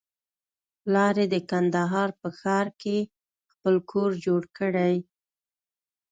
پلار يې د کندهار په ښار کښې خپل کور جوړ کړى.